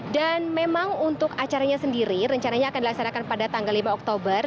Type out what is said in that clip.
dan memang untuk acaranya sendiri rencananya akan dilaksanakan pada tanggal lima oktober